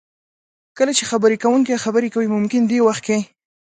کله چې خبرې کوونکی خبرې کوي ممکن دې وخت کې